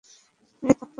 মেরে তক্তা বানিয়ে ফেলব।